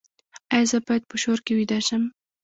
ایا زه باید په شور کې ویده شم؟